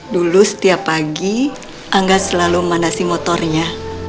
dulu setiap pagi angga selalu memandasi motornya